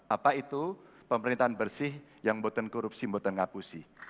apa itu pemerintahan bersih yang boten korupsi boten ngapusi